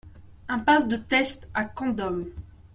Impasse de Teste à Condom